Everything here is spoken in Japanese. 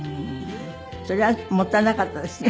それはもったいなかったですね。